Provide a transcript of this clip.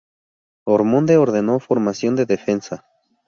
Ormonde ordenó formación de defensa.